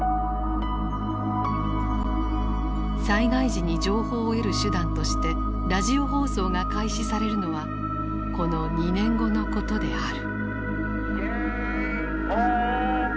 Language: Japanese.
災害時に情報を得る手段としてラジオ放送が開始されるのはこの２年後のことである。